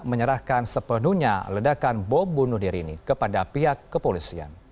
menyerahkan sepenuhnya ledakan bom bunuh diri ini kepada pihak kepolisian